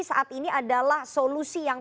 saat ini adalah solusi yang